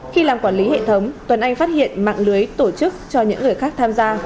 khi làm quản lý hệ thống tuấn anh phát hiện mạng lưới tổ chức cho những người khác tham gia